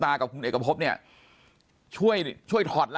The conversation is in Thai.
ปากกับภาคภูมิ